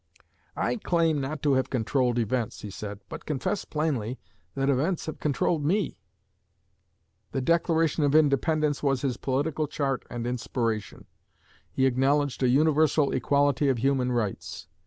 'I claim not to have controlled events,' he said, 'but confess plainly that events have controlled me.' The Declaration of Independence was his political chart and inspiration. He acknowledged a universal equality of human rights.